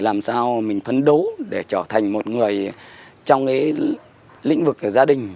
làm sao mình phấn đấu để trở thành một người trong cái lĩnh vực gia đình